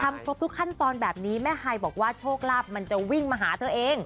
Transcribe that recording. ครบทุกขั้นตอนแบบนี้แม่ฮายบอกว่าโชคลาภมันจะวิ่งมาหาเธอเอง